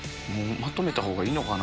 まとめたほうがいいのかな？